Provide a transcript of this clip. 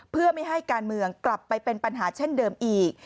เพื่อไม่ให้การเมืองกลับไปเป็นปัญหาเช่นเดิมอีก